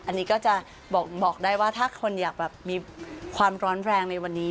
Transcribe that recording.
อันนี้ก็จะบอกได้ว่าถ้าคนอยากแบบมีความร้อนแรงในวันนี้